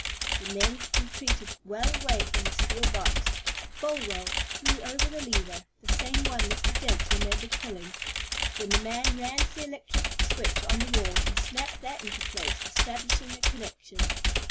The men retreated well away from the steel box. Folwell threw over the lever the same one Mr. Jenks remembered pulling. Then the man ran to the electric switch on the wall, and snapped that into place, establishing a connection.